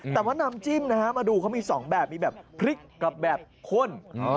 แต่ว่าน้ำจิ้มนะฮะมาดูเขามี๒แบบมีแบบพริกกับแบบข้น